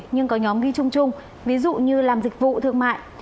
nhưng có nhóm ghi chung chung ví dụ như làm dịch vụ thương mại